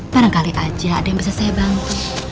barangkali aja ada yang bisa saya bantu